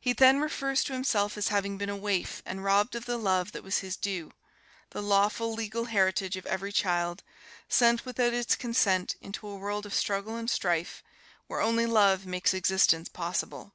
He then refers to himself as having been a waif and robbed of the love that was his due, "the lawful, legal heritage of every child, sent without its consent into a world of struggle and strife, where only love makes existence possible."